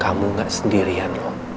kamu gak sendirian loh